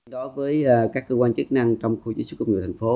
đối với các cơ quan chức năng trong khu chế xuất công nghiệp thành phố